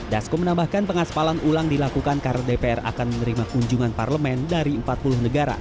dasko menambahkan pengaspalan ulang dilakukan karena dpr akan menerima kunjungan parlemen dari empat puluh negara